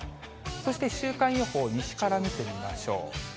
そして週間予報、西から見てみましょう。